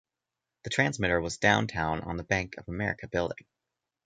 The transmitter was downtown on the Bank of America building.